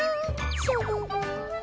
しょぼぼん。